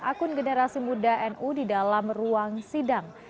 akun generasi muda nu di dalam ruang sidang